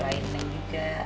supaya tuhan juga